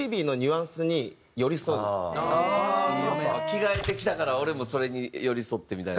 着替えてきたから俺もそれに寄り添ってみたいな。